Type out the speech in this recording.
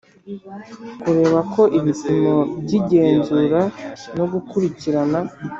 Kureba ko ibipimo by igenzura no gukurikirana